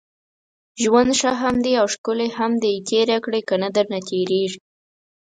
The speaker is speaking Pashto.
ژوند ښه هم دی اوښکلی هم دی تېر يې کړئ، کني درنه تېريږي